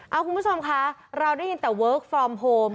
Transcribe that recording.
เอาคุณผู้ชมคะเราได้ยินแต่เวิร์คฟอร์มโฮม